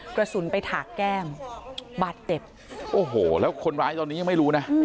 กระสุนไปถากแก้มบาดเจ็บโอ้โหแล้วคนร้ายตอนนี้ยังไม่รู้นะ